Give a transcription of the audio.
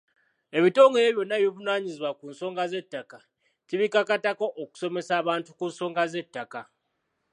Ebitongole byonna ebivunaanyizibwa ku nsonga z'ettaka kibikakatako okusomesa abantu ku nsonga z’ettaka.